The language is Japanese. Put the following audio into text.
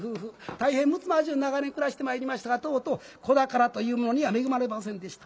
大変むつまじゅう長年暮らしてまいりましたがとうとう子宝というものには恵まれませんでした。